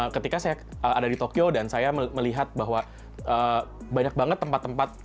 ketika saya ada di tokyo dan saya melihat bahwa banyak banget tempat tempat